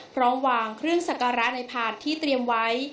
พร้อมวางเครื่องสักการะในพานที่เตรียมไว้